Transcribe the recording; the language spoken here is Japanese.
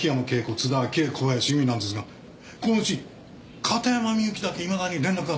津田明江小林由美なんですがこのうち片山みゆきだけいまだに連絡がとれてません。